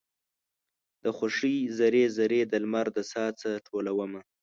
د خوښۍ ذرې، ذرې د لمر د ساه څه ټولومه